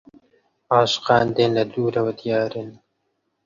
عاشقان دێن لە دوورەوە دیارن